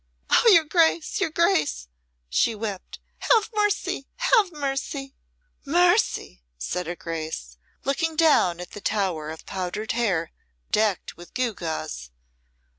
"Oh, your Grace! your Grace!" she wept; "have mercy! have mercy!" "Mercy!" said her Grace, looking down at the tower of powdered hair decked with gewgaws.